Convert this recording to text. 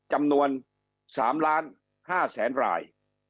จำนวน๓ล้าน๕แสนราย